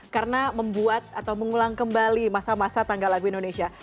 karena membuat atau mengulang kembali masa masa tanggal lagu indonesia